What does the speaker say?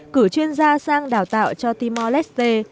cử chuyên gia sang đào tạo cho timor leste